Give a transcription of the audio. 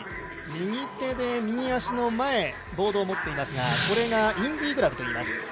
右手で右足の前ボードを持っていますがこれがインディグラブといいます。